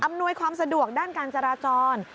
นวยความสะดวกด้านการจราจร